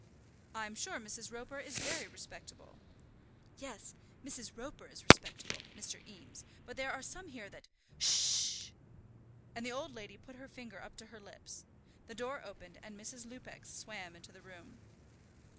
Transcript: "I'm sure Mrs. Roper is very respectable." "Yes; Mrs. Roper is respectable, Mr. Eames; but there are some here that Hush sh sh!" And the old lady put her finger up to her lips. The door opened and Mrs. Lupex swam into the room.